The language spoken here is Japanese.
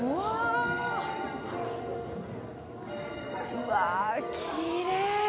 うわきれい。